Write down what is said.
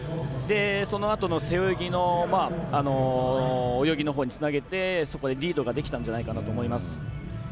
そのあとの背泳ぎの泳ぎのほうにつなげてそこでリードができたんじゃないかなと思います。